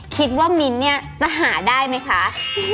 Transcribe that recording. คิดว่ามิ้นท์เนี่ยจะหาได้ไหมคะ